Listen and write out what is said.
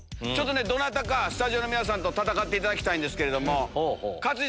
どなたかスタジオの皆さんと戦っていただきたいんですけど。